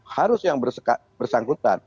harus yang bersangkutan